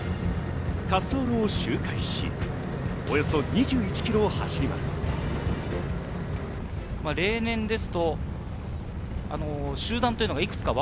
滑走路を周回し、およそ２１ｋｍを走ります。